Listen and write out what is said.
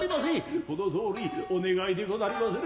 この通りお願いでござりまする。